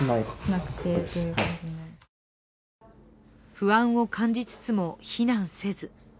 不安を感じつつも避難せず。